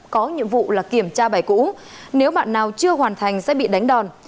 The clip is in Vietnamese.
có nhiệm vụ là kiểm tra bài cũ nếu bạn nào chưa hoàn thành sẽ bị đánh đòn